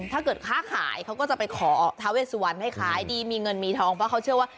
ถ้าเกิดค้าขายเขาก็จะไปขอทาเวสวันให้ขายดีมีเงินมีทองเพราะเขาเชื่อว่า